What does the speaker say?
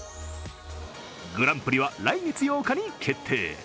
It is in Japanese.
グランプリは来月８日に決定。